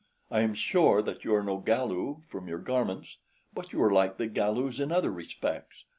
I am sure that you are no Galu, from your garments; but you are like the Galus in other respects.